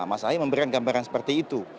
mas ahy memberikan gambaran seperti itu